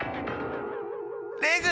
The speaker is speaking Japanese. レグ！